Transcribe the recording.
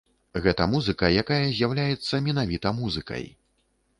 Гэта музыка, якая з'яўляецца менавіта музыкай.